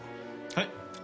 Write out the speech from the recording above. はい？